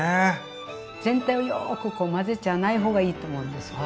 全体をよくこう混ぜちゃわない方がいいと思うんですよね。